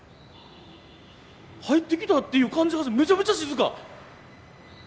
入ってきたっていう感じがめちゃくちゃ静か！